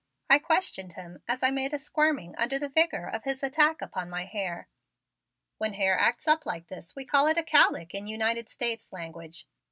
I questioned him as I made a squirming under the vigor of his attack upon my hair. "When hair acts up like this we call it a cowlick in United States language.